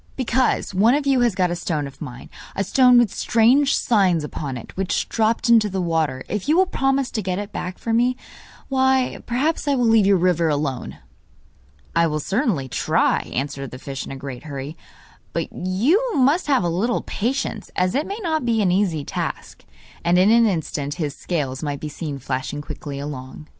'Because one of you has got a stone of mine a stone with strange signs upon it which dropped into the water. If you will promise to get it back for me, why, perhaps I will leave your river alone.' 'I will certainly try,' answered the fish in a great hurry; 'but you must have a little patience, as it may not be an easy task.' And in an instant his scales might be seen flashing quickly along.